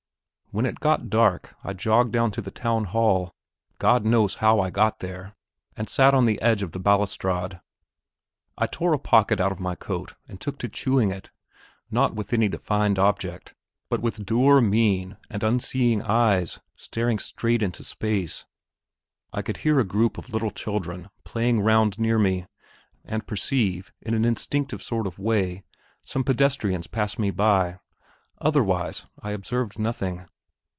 When it got dark I jogged along to the Town Hall God knows how I got there and sat on the edge of the balustrade. I tore a pocket out of my coat and took to chewing it; not with any defined object, but with dour mien and unseeing eyes, staring straight into space. I could hear a group of little children playing around near me, and perceive, in an instinctive sort of way, some pedestrians pass me by; otherwise I observed nothing.